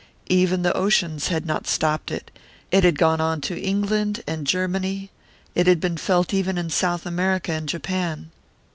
Even the oceans had not stopped it; it had gone on to England and Germany it had been felt even in South America and Japan.